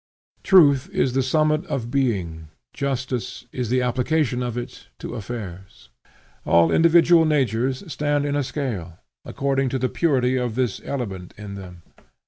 Truth is the summit of being; justice is the application of it to affairs. All individual natures stand in a scale, according to the purity of this element in them.